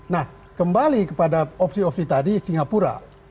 nah kembali kepada opsi opsi tadi singapura